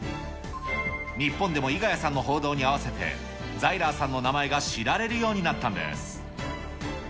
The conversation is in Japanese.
日本でも猪谷さんの報道に合わせて、ザイラーさんの名前が知られるようになったんです。